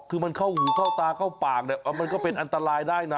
คือมันเข้าหูเข้าตาเข้าปากเนี่ยมันก็เป็นอันตรายได้นะ